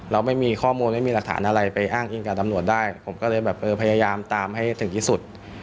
เราไม่มีข้อมูลไม่มีหลักฐานอะไรไปอ้างอิงกับตำรวจได้ผมก็เลยแบบเออพยายามตามให้ถึงที่สุด